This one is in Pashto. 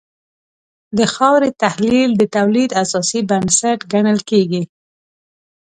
د خاورې تحلیل د تولید اساسي بنسټ ګڼل کېږي.